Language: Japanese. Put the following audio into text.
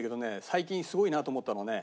最近すごいなと思ったのはね